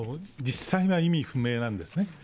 実際は意味不明なんですね。